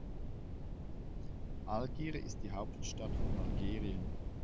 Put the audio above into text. Algier ist die Hauptstadt von Algerien.